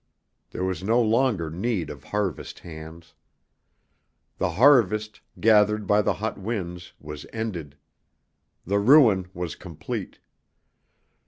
There was no longer need of harvest hands. The harvest, gathered by the hot winds, was ended. The ruin was complete.